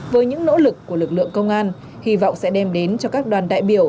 với những nỗ lực của lực lượng công an hy vọng sẽ đem đến cho các đoàn đại biểu